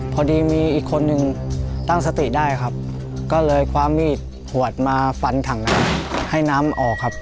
พอดีมีอีกคนนึงตั้งสติได้ครับก็เลยคว้ามีดขวดมาฟันถังน้ำให้น้ำออกครับ